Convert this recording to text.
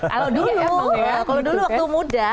kalau dulu kalau dulu waktu muda